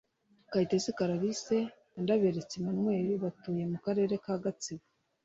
Kayitesi Clarisse na Ndaberetse Emannuel batuye mu Karere ka Gatsibo